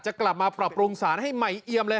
กลับมาปรับปรุงสารให้ใหม่เอียมเลย